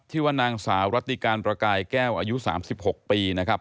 ชื่อว่านางสาวรัติการประกายแก้วอายุ๓๖ปีนะครับ